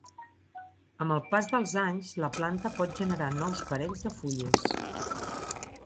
Amb el pas dels anys, la planta pot generar nous parells de fulles.